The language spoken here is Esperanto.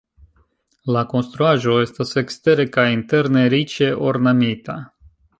La konstruaĵo estas ekstere kaj interne riĉe ornamita.